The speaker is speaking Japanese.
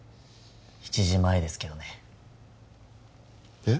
７時前ですけどねえっ？